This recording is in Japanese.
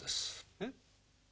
えっ？